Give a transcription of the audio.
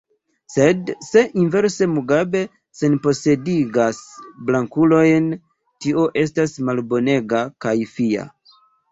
Sed se inverse Mugabe senposedigas blankulojn, tio estas malbonega kaj fia.